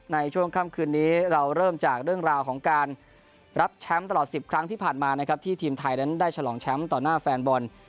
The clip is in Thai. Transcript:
ในช่วงค่ำคืนนี้เราเริ่มจากเรื่องราวของการรับแชมป์ตลอด๑๐ครั้งที่ผ่านมานะครับที่ทีมไทยนั้นได้ฉลองแชมป์ต่อหน้าแฟนบอล